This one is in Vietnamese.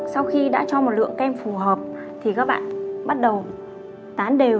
sau khi đã cho một lượng kem phù hợp thì các bạn bắt đầu tán đều